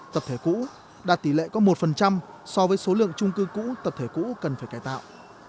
tập thể cũ đạt tỷ lệ có một so với số lượng trung cư cũ tập thể cũ cần phải cải tạo